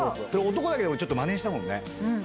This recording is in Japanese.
男だけどちょっとまねしたもんね。